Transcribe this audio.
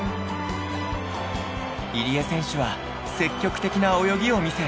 入江選手は積極的な泳ぎを見せ。